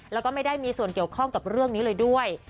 แล้วก็ไม่ได้มีส่วนเกี่ยวข้องกับเรื่องนี้เลยด้วย